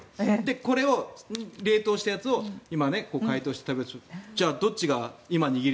これを冷凍したやつを今、解凍して食べる。